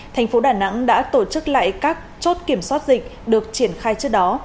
thành phố đà nẵng đã tổ chức lại các chốt kiểm soát dịch được triển khai trước đó